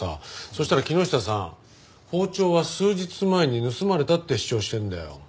そしたら木下さん包丁は数日前に盗まれたって主張してるんだよ。